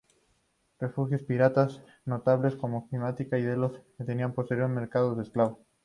Refugios piratas notables como Cilicia y Delos tenían prósperos mercados de esclavos.